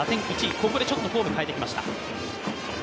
ここでちょっとフォームを変えてきました。